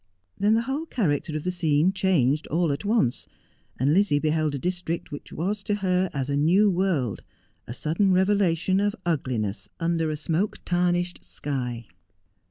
Then the whole character of the scene changed all at once, and Lizzie beheld a district which was to her as a new world, a sudden revelation of ugliness under a smoke tarnished sky.